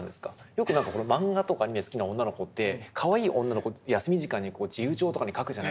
よくマンガとかアニメを好きな女の子ってかわいい女の子を休み時間に自由帳とかに描くじゃないですか。